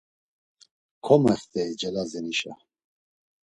Komext̆ey Celazenişa.